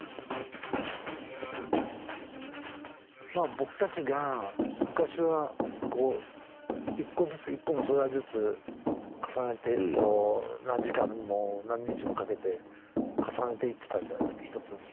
僕たちが昔は１個ずつ１個の素材ずつ重ねて何時間も何日もかけて重ねていってたじゃないですか１つずつ。